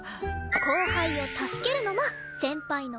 後輩を助けるのも先輩の業務です！